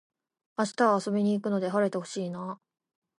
明日は遊びに行くので晴れて欲しいなあ